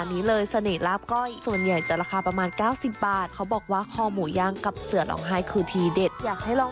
ติดตามในช่วงตลอดกิน